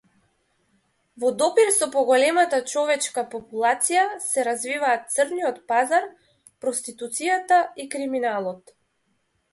Во допир со поголемата човечка популација се развиваат црниот пазар, проституцијата и криминалот.